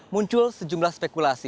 muncul sejumlah sederhana